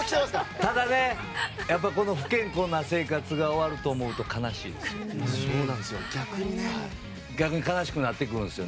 ただね、この不健康な生活が終わると思うと悲しいですよ。